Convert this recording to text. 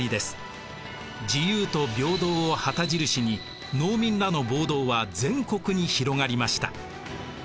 自由と平等を旗印に農民らの暴動は全国に広がりました。